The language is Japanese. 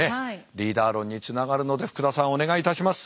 リーダー論につながるので福田さんお願いいたします。